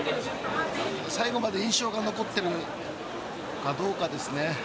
最後まで印象が残ってるかどうかですね